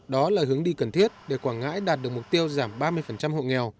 đó là hướng đi cần thiết để quảng ngãi đạt được mục tiêu giảm ba mươi hộ nghèo